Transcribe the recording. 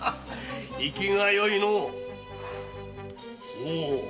ほう。